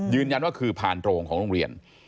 ยืนยันว่าคือผ่านโรงของโรงเรียน